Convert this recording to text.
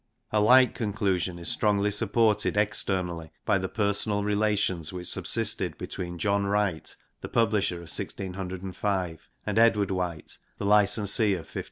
A like conclusion is strongly supported externally by the personal relations which subsisted between John Wright, the publisher of 1605, and Edward White, the licensee of 1594.